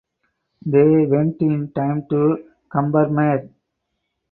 They went in time to Combermere.